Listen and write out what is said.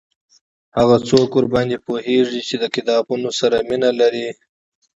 هغه څوک ورباندي پوهیږي چې د کتابونو سره مینه لري